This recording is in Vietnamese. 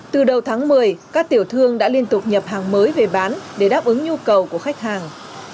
từ đầu tháng một mươi các tiểu thương đã liên tục nhập hàng mới về bán để đáp ứng nhu cầu của khách hàng